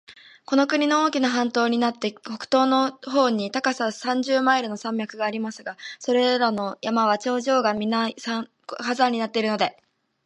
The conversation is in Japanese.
この国は大きな半島になっていて、北東の方に高さ三十マイルの山脈がありますが、それらの山は頂上がみな火山になっているので、